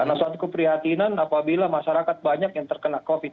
karena suatu keprihatinan apabila masyarakat banyak yang terkena covid